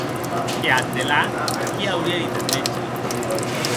E ath delà, qué aurie dit eth mètge.